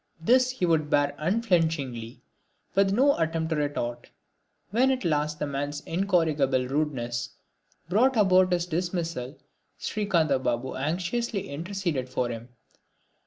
This he would bear unflinchingly, with no attempt at retort. When at last the man's incorrigible rudeness brought about his dismissal Srikantha Babu anxiously interceded for him.